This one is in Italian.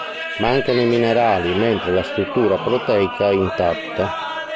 Mancano i minerali, mentre la struttura proteica è intatta.